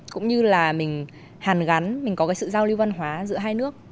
cũng như là mình hàn gắn mình có cái sự giao lưu văn hóa giữa hai nước